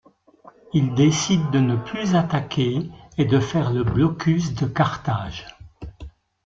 Ils décident de ne plus attaquer, et de faire le blocus de Carthage.